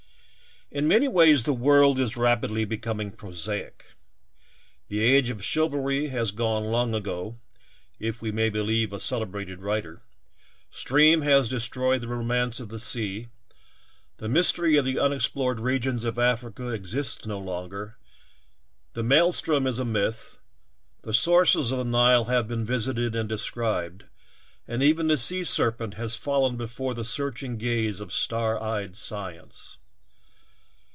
many ways the world is rapidly becoming prosaic. The age of chivalry was gone long ago, if we may believe a celebrated writer; steam has destroyed the romance of the sea; the mystery of the unexplored regions of Africa exists no longer; the maelstrom is a myth ; the sources of the Nile have been visited and described, and even the sea serpent has fallen before the searching gaze of star eyed science.